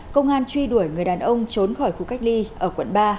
công an truy đuổi người đàn ông trốn khỏi khu cách ly ở quận ba